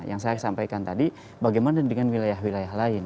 yang saya sampaikan tadi bagaimana dengan wilayah wilayah lain